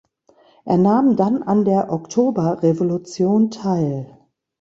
Er nahm dann an der Oktoberrevolution teil.